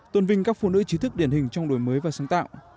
tôn vinh các phụ nữ trí thức điển hình trong đổi mới và sáng tạo